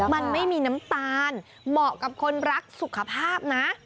มันไม่มีน้ำตาลเหมาะกับคนรักสุขภาพนะ